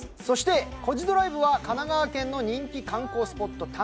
そしてコジドライブは神奈川県の人気観光スポット